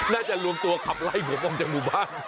น่าจะลวงตัวขับไล่ผมออกจากหมู่บ้าน